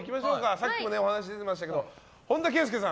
さっきもお話が出ていましたが本田圭佑さん。